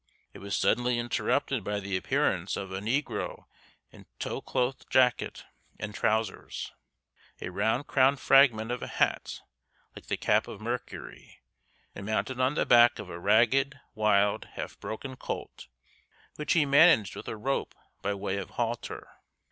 It was suddenly interrupted by the appearance of a negro in tow cloth jacket and trowsers, a round crowned fragment of a hat like the cap of Mercury, and mounted on the back of a ragged, wild, half broken colt, which he managed with a rope by way of halter.